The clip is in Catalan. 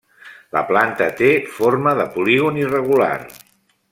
La planta té forma de polígon irregular.